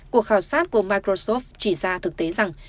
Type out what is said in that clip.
cuộc khảo sát của microsoft chỉ ra thực tế rằng